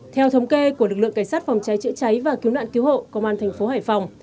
theo thống kê của lực lượng cảnh sát phòng cháy chữa cháy và cứu nạn cứu hộ công an thành phố hải phòng